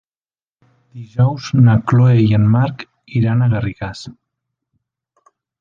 Dijous na Chloé i en Marc iran a Garrigàs.